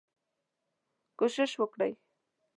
کوشش وکړئ